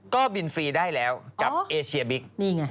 ก็บินฟรีได้แล้วกับเอเชียบิ๊ก